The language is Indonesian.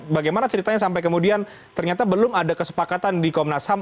bagaimana ceritanya sampai kemudian ternyata belum ada kesepakatan di komnas ham